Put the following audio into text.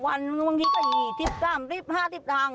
วันมันบางทีก็๒๓๒๕ธัง